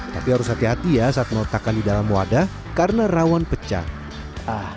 tapi harus hati hati ya saat meletakkan di dalam wadah karena rawan pecah